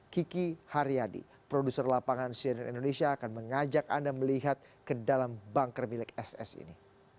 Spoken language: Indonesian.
kiki haryadi produser lapangan cnn indonesia akan mengajak anda melihat ke dalam banker milik ss ini